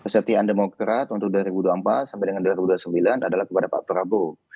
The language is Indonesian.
kesetiaan demokrat untuk dua ribu dua puluh empat sampai dengan dua ribu dua puluh sembilan adalah kepada pak prabowo